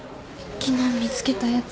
昨日見つけたやつ。